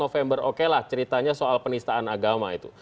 jadi empat november okelah ceritanya soal penistaan agama itu